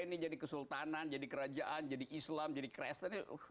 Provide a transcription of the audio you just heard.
ini jadi kesultanan jadi kerajaan jadi islam jadi kreson